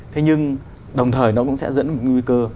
thế nhưng đồng thời nó cũng sẽ dẫn đến một cái nguy cơ